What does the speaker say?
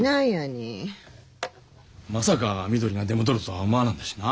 まさかみどりが出戻るとは思わなんだしな。